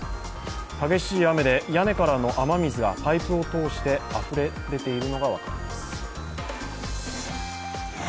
激しい雨で屋根からの雨水がパイプを通してあふれ出ているのが分かります。